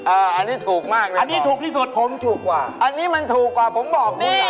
อันนี้ถูกมากเลยครับผมถูกกว่าอันนี้มันถูกกว่าผมบอกคุณใหญ่